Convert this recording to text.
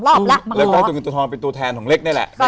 แล้วก็ให้ตัวเงินตัวทองเป็นตัวแทนของเล็กนี่แหละ